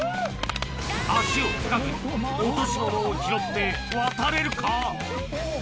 足をつかずに落とし物を拾って渡れるか？